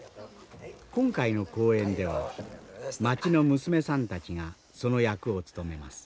今回の公演では町の娘さんたちがその役を務めます。